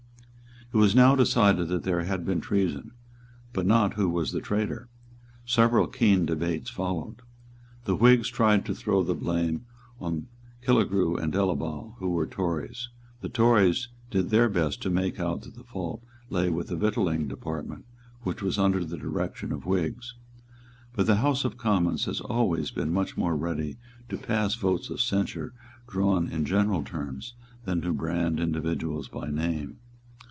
It was now decided that there had been treason, but not who was the traitor. Several keen debates followed. The Whigs tried to throw the blame on Killegrew and Delaval, who were Tories; the Tories did their best to make out that the fault lay with the Victualling Department, which was under the direction of Whigs. But the House of Commons has always been much more ready to pass votes of censure drawn in general terms than to brand individuals by name.